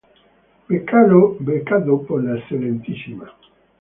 Becado por la Excma.